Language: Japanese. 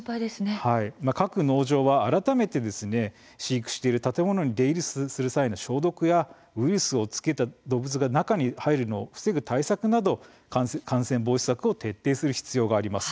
各農場は改めて飼育している建物に出入りする際の消毒やウイルスをつけた動物が中に入るのを防ぐ対策など感染防止策を徹底する必要があります。